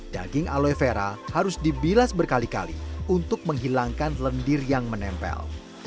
daging aloe vera harus dibilas berkali kali untuk menghilangkan lendir yang menempel